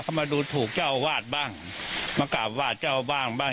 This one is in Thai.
เขามาดูถูกเจ้าอาวาสบ้างมากราบไหว้เจ้าบ้างบ้าง